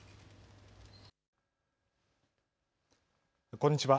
こんにちは。